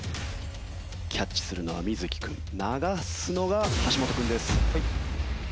キャッチするのは瑞稀君流すのが橋本君です。